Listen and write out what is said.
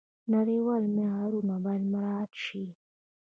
نړیوال معیارونه باید مراعات شي.